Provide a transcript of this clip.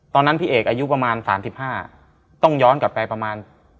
พี่เอกอายุประมาณ๓๕ต้องย้อนกลับไปประมาณ